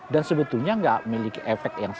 dan sebetulnya nggak memiliki efek yang sama